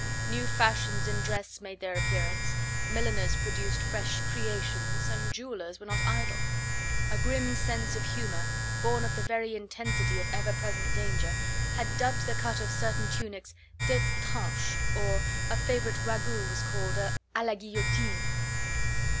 New fashions in dress made their appearance, milliners produced fresh "creations," and jewellers were not idle. A grim sense of humour, born of the very intensity of ever present danger, had dubbed the cut of certain tunics "tete tranche," or a favourite ragout was called "a la guillotine."